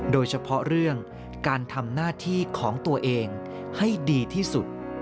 โดยเฉพาะเรื่องการทำหน้าที่ของตัวเองให้ดีที่สุด